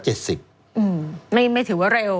ไม่ถือว่าเร็ว